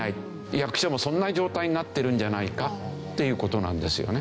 役所もそんな状態になってるんじゃないかっていう事なんですよね。